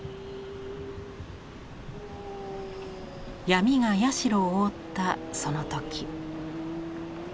闇が社を覆ったその時。